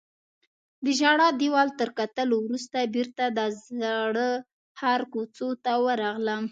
د ژړا دیوال تر کتلو وروسته بیرته د زاړه ښار کوڅو ته ورغلم.